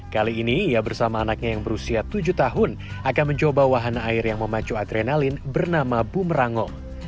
kali ini ia bersama anaknya yang berusia tujuh tahun akan mencoba wahana air yang memacu adrenalin bernama bumerango